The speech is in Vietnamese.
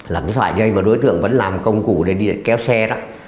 là cái sợi dây mà đối tượng vẫn làm công cụ để đi kéo xe đó